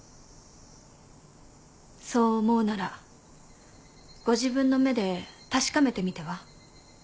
そう思うならご自分の目で確かめてみては？